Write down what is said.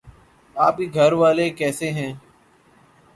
آپ کے گھر والے کیسے ہے